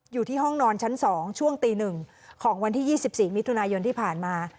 อยู่ที่ห้องนอนชั้น๒ช่วงตี๑ของวันที่๒๔มิถุนายนที่ผ่านมา